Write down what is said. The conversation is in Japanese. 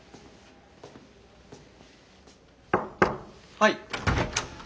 ・はい。